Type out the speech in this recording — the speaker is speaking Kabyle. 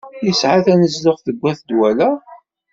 Yesɛa tanezduɣt deg at Dwala?